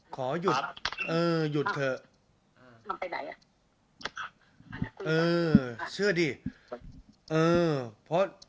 ก็จะเป็นคนดีเนาะ